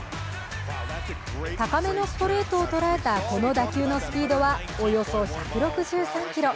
高めのストレートを捉えたこの打球のスピードは、およそ１６３キロ。